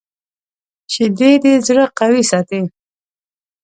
شیدې د زړه قوي ساتي